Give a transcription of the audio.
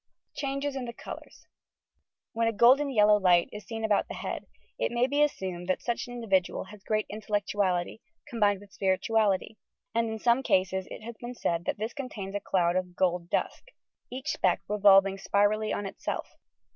CHANGES IN THE COLOURS "When a golden yellow light is seen about the head, it may be assumed that such an individual has great intellectuality, combined with spirituality ; and in some eases it has been said that this contains a cloud of "gold dust," each speck revolving spirally on itself.